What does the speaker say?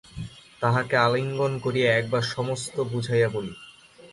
তাহাকে আলিঙ্গন করিয়া একবার সমস্ত বুঝাইয়া বলি।